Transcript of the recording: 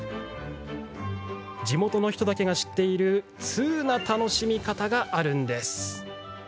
地元の人だけが知っている通な楽しみ方があるんです。